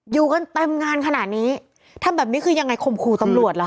อยู่กันเต็มงานขนาดนี้ทำแบบนี้คือยังไงข่มขู่ตำรวจเหรอค